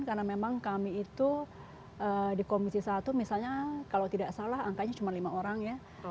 karena memang kami itu di komisi satu misalnya kalau tidak salah angkanya cuma lima orang ya